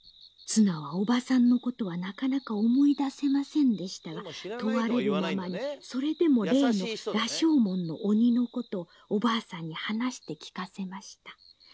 ［綱はおばさんのことはなかなか思い出せませんでしたが問われるままにそれでも例の羅生門の鬼のことをおばあさんに話して聞かせました］